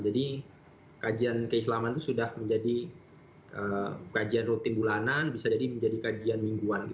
kajian keislaman itu sudah menjadi kajian rutin bulanan bisa jadi menjadi kajian mingguan